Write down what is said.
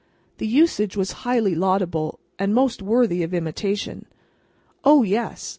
the usage was highly laudable, and most worthy of imitation. "O, yes!